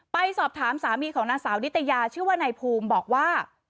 ไปสอบถามสามีของนางสาวนิตยาชื่อว่านายภูมิบอกว่า